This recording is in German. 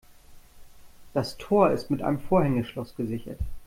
Das Tor ist mit einem Vorhängeschloss gesichert.